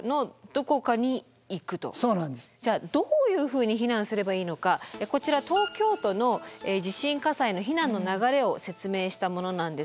じゃあどういうふうに避難すればいいのかこちら東京都の地震火災の避難の流れを説明したものなんですけれども。